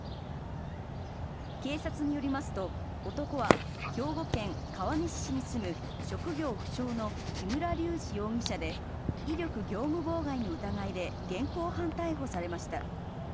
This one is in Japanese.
警察によりますと、男は兵庫県川西市に住む職業不詳の木村隆二容疑者で、威力業務妨害の疑いで現行犯逮捕されました。